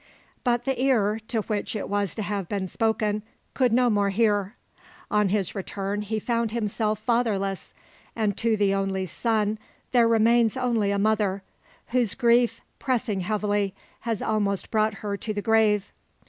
But the ear, to which it was to have been spoken, could no more hear. On his return, he found himself fatherless; and to the only son there remains only a mother; whose grief, pressing heavily, has almost brought her to the grave.